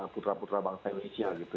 putra putra bangsa indonesia gitu